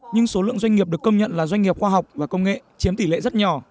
nhưng số lượng doanh nghiệp được công nhận là doanh nghiệp khoa học và công nghệ chiếm tỷ lệ rất nhỏ